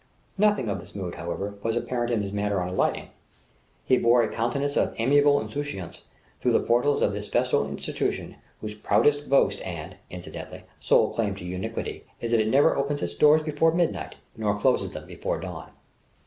Nothing of this mood was, however, apparent in his manner on alighting. He bore a countenance of amiable insouciance through the portals of this festal institution whose proudest boast and incidentally sole claim to uniquity is that it never opens its doors before midnight nor closes them before dawn.